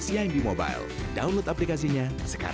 terima kasih banyak